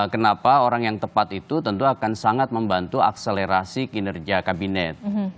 kenapa orang yang tepat itu tentu akan sangat membantu akselerasi kinerja kabinet